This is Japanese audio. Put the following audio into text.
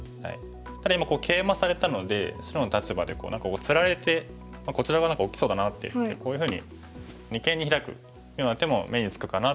ただ今ケイマされたので白の立場でつられてこちら側なんか大きそうだなっていってこういうふうに二間にヒラくような手も目につくかなと思います。